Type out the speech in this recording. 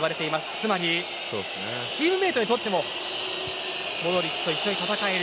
つまりチームメートにとってもモドリッチと一緒に戦える